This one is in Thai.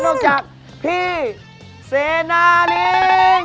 นอกจากพี่เสนาแล้ว